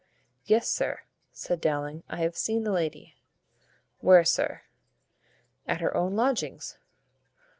"Yes, sir," said Dowling, "I have seen the lady." "Where, sir?" "At her own lodgings."